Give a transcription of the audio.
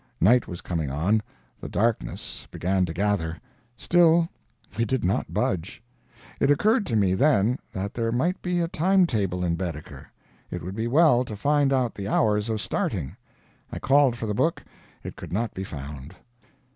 Night was coming on, the darkness began to gather still we did not budge. It occurred to me then, that there might be a time table in Baedeker; it would be well to find out the hours of starting. I called for the book it could not be found.